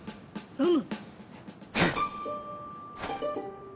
うん。